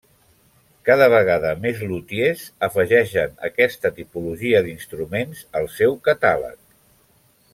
Cada vegada més lutiers afegeixen aquesta tipologia d'instruments al seu catàleg.